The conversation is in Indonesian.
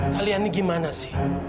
kalian ini gimana sih